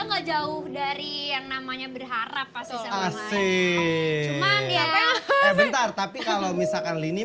enggak jauh dari yang namanya berharap pasti asyik tapi kalau misalkan ini